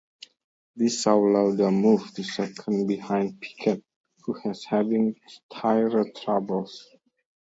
This saw Lauda move to second behind Piquet who was having tyre troubles.